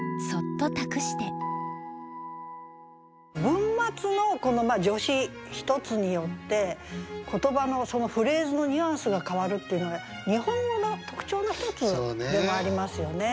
文末の助詞１つによって言葉のそのフレーズのニュアンスが変わるっていうのは日本語の特徴の１つでもありますよね。